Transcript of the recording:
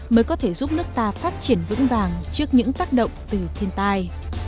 mới có thể giúp nước ta phát triển vững vàng trước những tác động từ thiên tai